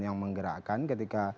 yang menggerakkan ketika